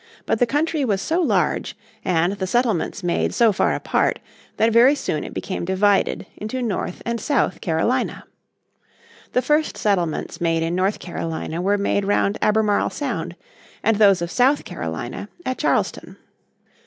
But the country was so large and the settlements made so far apart that very soon it became divided into North and South Carolina. The first settlements made in North Carolina were made round Albemarle Sound, and those of South Carolina at Charleston.